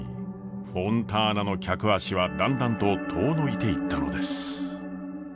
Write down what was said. フォンターナの客足はだんだんと遠のいていったのです。